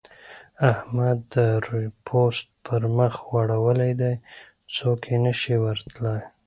احمد د روې پوست پر مخ غوړولی دی؛ څوک نه شي ور تلای.